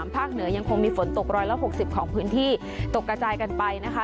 ภาคเหนือยังคงมีฝนตกร้อยละ๖๐ของพื้นที่ตกกระจายกันไปนะคะ